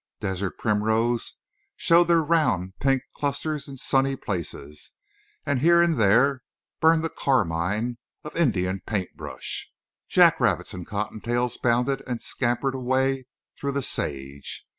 Desert primroses showed their rounded pink clusters in sunny places, and here and there burned the carmine of Indian paintbrush. Jack rabbits and cotton tails bounded and scampered away through the sage.